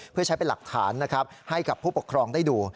เพื่อใช้เป็นหลักฐานให้ผู้ปกครองได้ดู